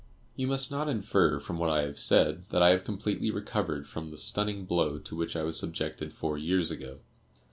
"You must not infer, from what I have said, that I have completely recovered from the stunning blow to which I was subjected four years ago.